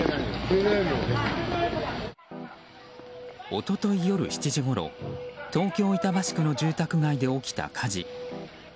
一昨日、夜７時ごろ東京・板橋区の住宅街で起きた火事。